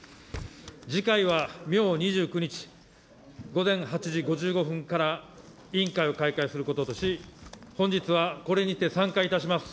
次回は明２９日午前８時５５分から委員会を開会することとし、本日はこれにて散会いたします。